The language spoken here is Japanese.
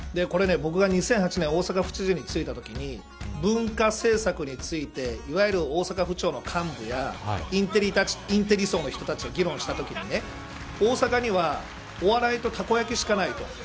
これ僕が２００８年大阪府知事に就いたときに文化政策についていわゆる大阪府庁の幹部やインテリ層の人たちと議論したときに大阪にはお笑いとたこ焼きしかないと。